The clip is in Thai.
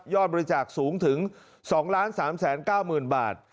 บริจาคสูงถึง๒๓๙๐๐๐บาท